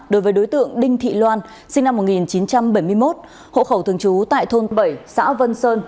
đối với đối tượng đinh thị loan sinh năm một nghìn chín trăm bảy mươi một hộ khẩu thường trú tại thôn bảy xã vân sơn